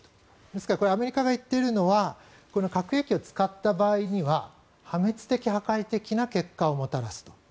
ですから、これはアメリカが言っているのは核兵器を使った場合には破滅的、破壊的な結果をもたらすと。